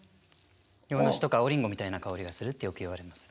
洋梨とか青リンゴみたいな香りがするってよくいわれます。